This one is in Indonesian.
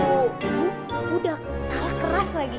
ibu ibu udah salah keras lagi